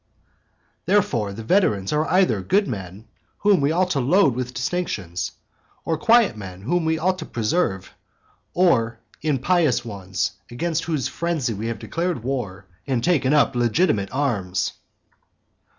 Therefore the veterans are either good men, whom we ought to load with distinctions, or quiet men, whom we ought to preserve, or impious ones, against whose frenzy we have declared war and taken up legitimate arms.